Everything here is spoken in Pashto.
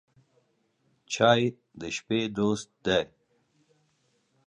چای د شپې دوست دی.